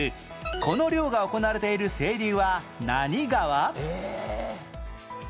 この漁が行われている清流は何川？